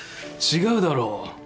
違うだろ？